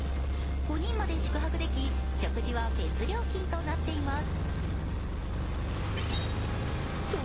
５人まで宿泊でき、食事は別料金となっています。